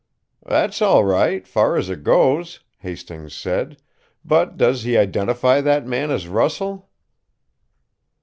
"That's all right, far as it goes," Hastings said; "but does he identify that man as Russell?"